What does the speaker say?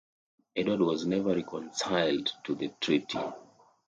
Edward was never reconciled to the treaty.